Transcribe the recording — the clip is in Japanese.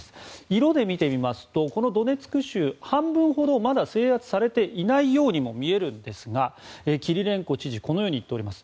色で見てみますとこのドネツク州、半分ほどまだ制圧されていないようにも見えるんですがキリレンコ知事はこのように言っております。